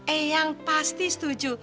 eyang pasti setuju